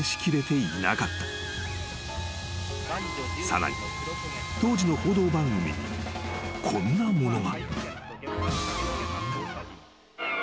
［さらに当時の報道番組にこんなものが］